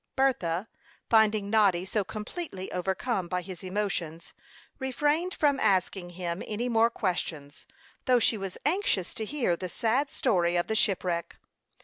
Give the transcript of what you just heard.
Bertha, finding Noddy so completely overcome by his emotions, refrained from asking him any more questions, though she was anxious to hear the sad story of the shipwreck.